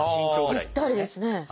ぴったりですね。